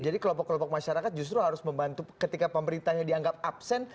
jadi kelompok kelompok masyarakat justru harus membantu ketika pemerintah yang dianggap absen